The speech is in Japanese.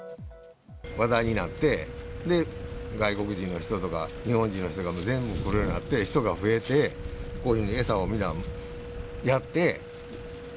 話題になって、外国人の人とか日本人の人が全部来るようになって、人が増えて、こういうふうに餌をみんなやって。